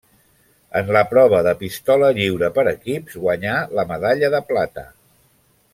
En la prova de Pistola lliure per equips guanyà la medalla de plata.